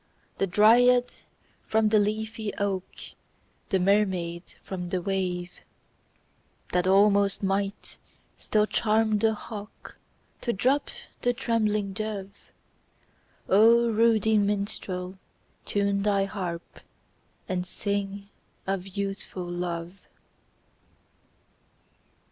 The dryad from the leafy oak, The mermaid from the wave ; That almost might still charm the hawk To drop the trembling dove? ruddy minstrel, time thy harp. And sing of Youthful Love